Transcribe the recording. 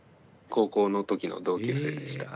高校の時の同級生でした。